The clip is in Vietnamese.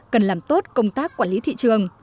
cần làm tốt công tác quản lý thị trường